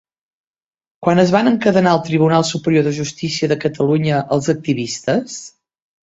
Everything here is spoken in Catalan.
Quan es van encadenar al Tribunal Superior de Justícia de Catalunya els activistes?